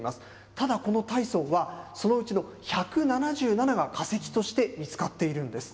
ただ、このタイソンは、そのうちの１７７が化石として見つかっているんです。